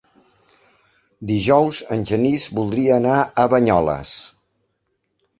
Dijous en Genís voldria anar a Banyoles.